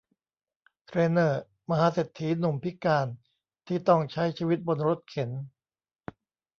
เทรย์เนอร์ มหาเศรษฐีหนุ่มพิการที่ต้องใช้ชีวิตบนรถเข็น